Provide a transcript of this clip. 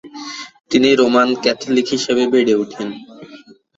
তিনি Roman Catholic হিসেবে বেড়ে ওঠেন।